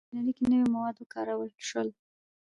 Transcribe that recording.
• په انجینرۍ کې نوي مواد وکارول شول.